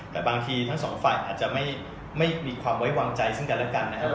แต่บางทีทั้งสองฝ่ายอาจจะไม่มีความไว้วางใจซึ่งกันแล้วกันนะครับ